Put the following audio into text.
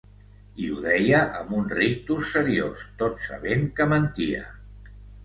I ho deia amb un rictus seriós, tot sabent que mentia.